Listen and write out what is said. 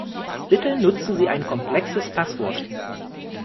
Bitte nutzen Sie ein komplexes Passwort.